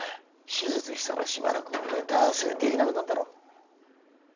手術したらしばらくネタ合わせできなくなるだろ？